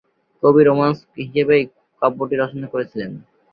কবি রোমান্স হিসেবেই কাব্যটি রচনা করেছিলেন।